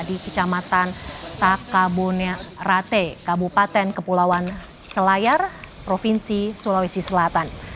di kecamatan takabonerate kabupaten kepulauan selayar provinsi sulawesi selatan